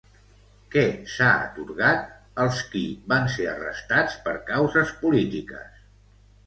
Què s'ha atorgat als qui van ser arrestats per causes polítiques?